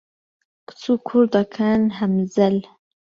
کچ و کوڕ دەکەن هەمزەل